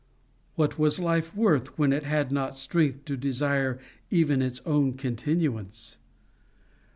What was life worth, when it had not strength to desire even its own continuance?